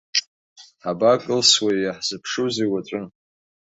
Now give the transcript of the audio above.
Ҳабакылсуеи, иаҳзыԥшузеи уаҵәы?